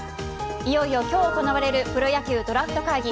いよいよ今日行われるプロ野球ドラフト会議。